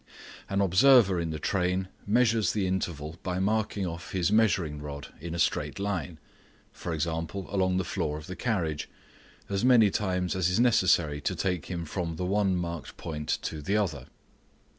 An observer in the train measures the interval by marking off his measuring rod in a straight line (e.g. along the floor of the carriage) as many times as is necessary to take him from the one marked point to the other.